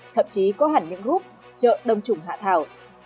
thậm chí có hẳn những group chợ đông trùng hạ thảo